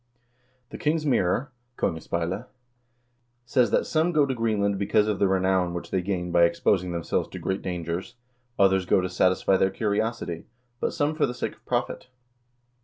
"The King's Mirror" ("Kongespeilet") says that "some go to Greenland because of the renown which they gain by exposing themselves to great dangers; others go to satisfy their curiosity, but some for the sake of profit.